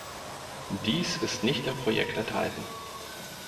Dies ist nicht im Projekt enthalten.